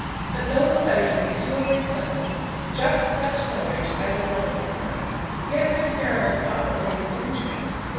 But though the letters were purely cousinly, just such letters as a brother might write, yet Miss Marrable thought that they were dangerous.